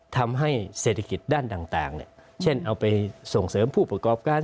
ทำให้เศรษฐกิจด้านต่างเช่นเอาไปส่งเสริมผู้ประกอบการ